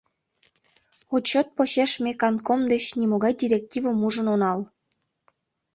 Отчёт почеш ме кантком деч нимогай директивым ужын онал.